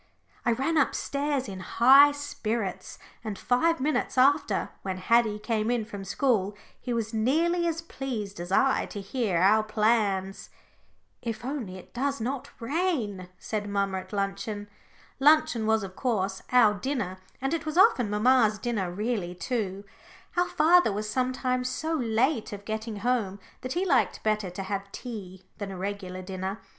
I ran upstairs in high spirits, and five minutes after when Haddie came in from school he was nearly as pleased as I to hear our plans. "If only it does not rain," said mamma at luncheon. Luncheon was, of course, our dinner, and it was often mamma's dinner really too. Our father was sometimes so late of getting home that he liked better to have tea than a regular dinner.